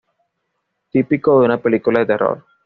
Típico de una película de terror.